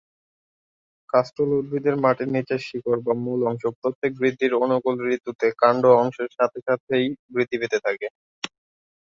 কাষ্ঠল উদ্ভিদের মাটির নিচের শিকড় বা মূল অংশ প্রত্যেক বৃদ্ধির অনুকূল ঋতুতে কাণ্ড অংশের সাথে সাথেই বৃদ্ধি পেতে থাকে।